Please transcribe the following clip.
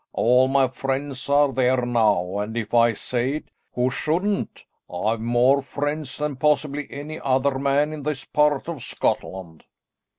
All my friends are there now, and if I say it, who shouldn't, I've more friends than possibly any other man in this part of Scotland."